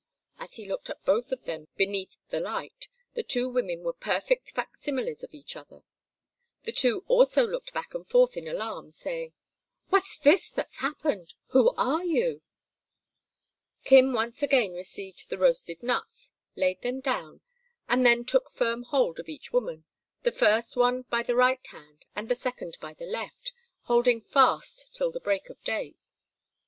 As he looked at both of them beneath the light the two women were perfect facsimiles of each other. The two also looked back and forth in alarm, saying, "What's this that's happened? Who are you?" Kim once again received the roasted nuts, laid them down, and then took firm hold of each woman, the first one by the right hand and the second by the left, holding fast till the break of day.